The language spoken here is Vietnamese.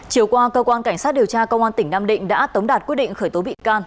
chiều qua cơ quan cảnh sát điều tra công an tỉnh nam định đã tống đạt quyết định khởi tố bị can